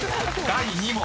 ［第２問］